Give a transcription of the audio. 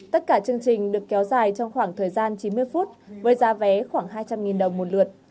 tất cả chương trình được kéo dài trong khoảng thời gian chín mươi phút với giá vé khoảng hai trăm linh đồng một lượt